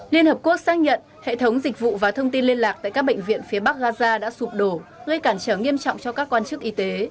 liên hợp quốc xác nhận hệ thống dịch vụ và thông tin liên lạc tại các bệnh viện phía bắc gaza đã sụp đổ gây cản trở nghiêm trọng cho các quan chức y tế